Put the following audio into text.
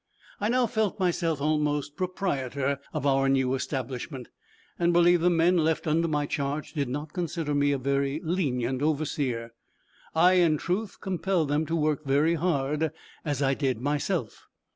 I now felt myself almost proprietor of our new establishment, and believe the men left under my charge did not consider me a very lenient overseer. I in truth compelled them to work very hard, as I did myself.